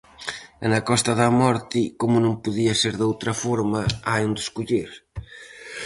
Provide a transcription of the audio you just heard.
E na Costa da Morte, como non podía ser doutra forma, hai onde escoller.